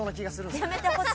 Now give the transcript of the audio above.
やめてほしい。